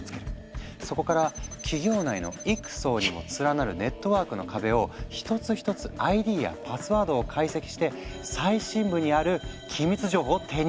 そこから企業内の幾層にも連なるネットワークの壁を一つ一つＩＤやパスワードを解析して最深部にある機密情報を手に入れていた。